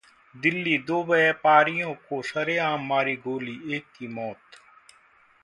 दिल्लीः दो व्यापारियों को सरेआम मारी गोली, एक की मौत